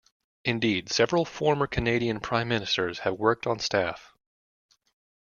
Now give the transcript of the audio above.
Indeed, several former Canadian prime ministers have worked on staff.